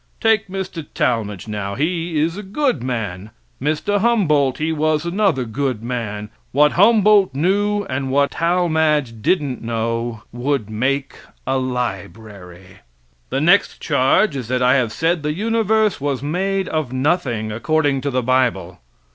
Take Mr. Talmage, now, he is a good man. Mr. Humboldt, he was another good man. What Humboldt knew and what Talmage didn't know would make a library. The next charge is that I have said the universe was made of nothing, according to the bible.